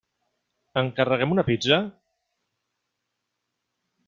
Encarreguem una pizza?